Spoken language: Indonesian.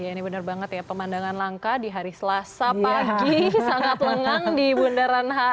ya ini benar banget ya pemandangan langka di hari selasa pagi sangat lengang di bundaran hi